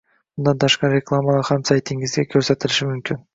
Bundan tashqari reklamalar ham saytingizda ko’rsatilishi mumkin